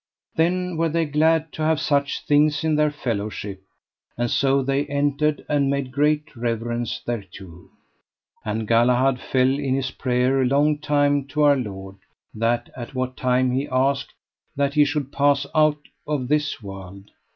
Then were they glad to have such things in their fellowship; and so they entered and made great reverence thereto; and Galahad fell in his prayer long time to Our Lord, that at what time he asked, that he should pass out of this world.